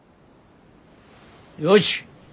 よし。